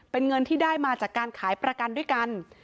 เป็นเงินที่ได้มาจากการขายประกันด้วยกัน